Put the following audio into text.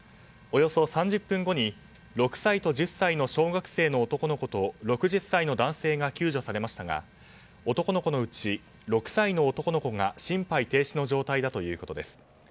およそ３０分後に６歳から１０歳の小学生の男の子と６０歳の男性が救助されましたが男の子のうち６歳の男の子が心肺停止の状態だということです。